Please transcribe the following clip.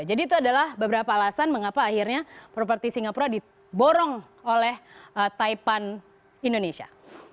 jadi itu adalah beberapa alasan mengapa akhirnya properti singapura diborong oleh taipan indonesia